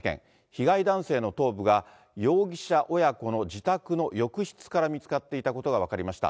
被害男性の頭部が、容疑者親子の自宅の浴室から見つかっていたことが分かりました。